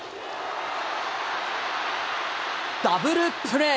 ダブルプレー。